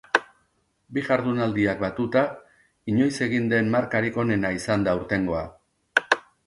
Bi jardunaldiak batuta, inoiz egin den markarik onena izan da aurtengoa.